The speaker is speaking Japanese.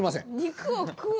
肉を食う？